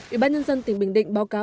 ủy ban nhân dân tỉnh bình định báo cáo